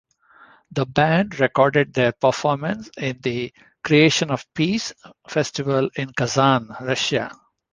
The band recorded their performance in the "Creation of Peace" festival in Kazan, Russia.